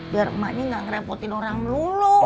biar mbaknya gak ngerepotin orang dulu